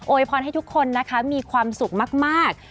ยพรให้ทุกคนนะคะมีความสุขมาก